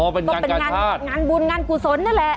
อ๋อเป็นงานกาชาติงานบุญงานกุศลนั่นแหละ